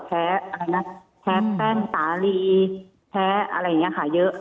แพ้แป้นตาลีแพ้อะไรอย่างนี้ค่ะเยอะ